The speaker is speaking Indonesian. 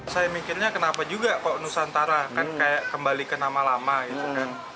saya mikirnya kenapa juga kok nusantara kan kayak kembali ke nama lama gitu kan